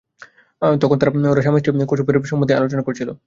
তখন ওরা স্বামীস্ত্রী কুমুর সম্বন্ধেই আলোচনা করছিল।